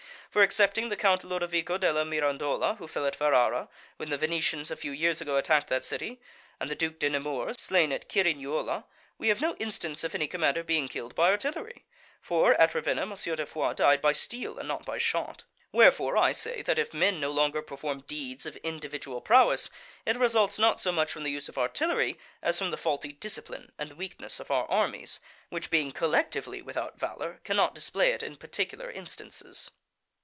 For excepting the Count Lodovico della Mirandola, who fell at Ferrara, when the Venetians a few years ago attacked that city, and the Duke de Nemours, slain at Cirignuola, we have no instance of any commander being killed by artillery. For, at Ravenna, M. de Foix died by steel and not by shot. Wherefore I say that if men no longer perform deeds of individual prowess, it results not so much from the use of artillery, as from the faulty discipline and weakness of our armies, which being collectively without valour cannot display it in particular instances.